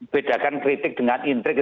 bedakan kritik dengan intrik